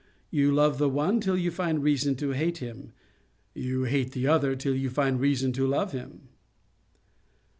You love the one till you find reason to hate him; you hate the other till you find reason to love him.'